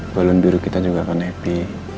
balon diru kita juga akan happy